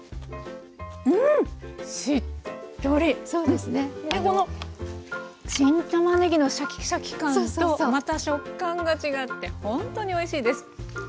でこの新たまねぎのシャキシャキ感とまた食感が違ってほんとにおいしいです。